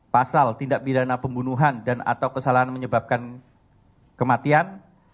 pasal tindak pidana pembunuhan dan atau kesalahan menyebabkan kematian